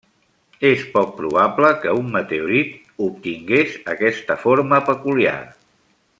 És poc probable que un meteorit obtingués aquesta forma peculiar.